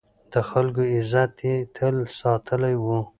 د خلکو عزت يې تل ساتلی و.